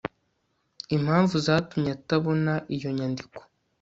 impamvu zatumye atabona iyo nyandiko